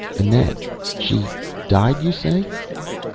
"Annette. She died, you say?"